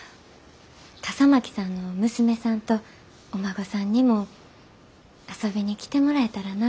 笠巻さんの娘さんとお孫さんにも遊びに来てもらえたらなぁて。